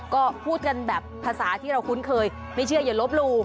ก็พูดกันแบบภาษาที่เราคุ้นเคยไม่เชื่ออย่าลบหลู่